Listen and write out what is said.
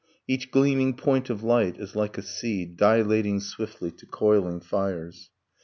Each gleaming point of light is like a seed Dilating swiftly to coiling fires.